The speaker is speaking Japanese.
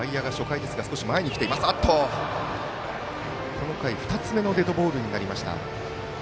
この回、２つ目のデッドボールになりました。